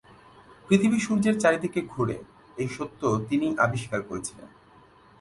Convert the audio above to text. পৃথিবী সূর্যের চারদিকে ঘুরে এই সত্য তিনিই আবিষ্কার করেছিলেন।